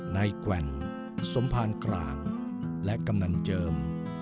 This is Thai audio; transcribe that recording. แกว่งสมภารกลางและกำนันเจิม